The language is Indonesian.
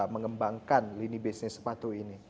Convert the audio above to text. mengembangkan lini bisnis sepatu ini